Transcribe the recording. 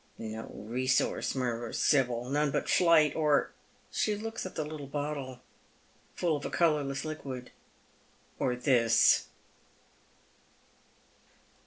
" No resource," murmurs Sibyl, " none but fli^^ht — or —" she looks at the Uttle bottle, full of a colourless liquid—" or this."